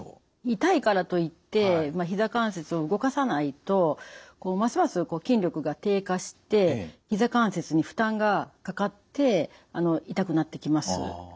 痛いからといってひざ関節を動かさないとますます筋力が低下してひざ関節に負担がかかって痛くなってきます。